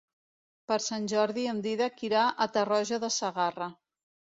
Per Sant Jordi en Dídac irà a Tarroja de Segarra.